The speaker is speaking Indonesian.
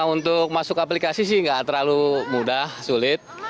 untuk masuk aplikasi sih nggak terlalu mudah sulit